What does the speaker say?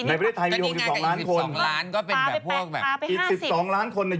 แต่ในประเทศไทยมี๖๒ล้านคน